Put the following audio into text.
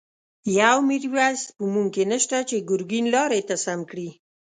یو«میرویس» په مونږ کی نشته، چه گرگین لاری ته سم کړی